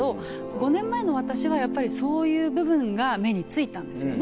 ５年前の私はそういう部分が目に付いたんですよね。